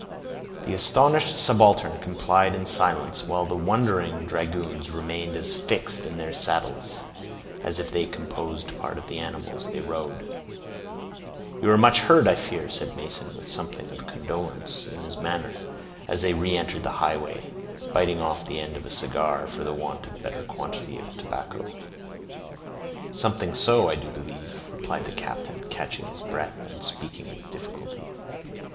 The astonished subaltern complied in silence, while the wondering dragoons remained as fixed in their saddles, as if they composed part of the animals they rode. "You are much hurt, I fear," said Mason, with something of condolence in his manner, as they reentered the highway, biting off the end of a cigar for the want of a better quality of tobacco. "Something so, I do believe," replied the captain, catching his breath, and speaking with difficulty.